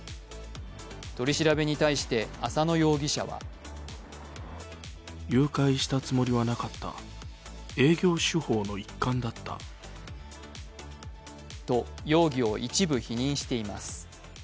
取り調べに対して、浅野容疑者はと、容疑を一部否認しています。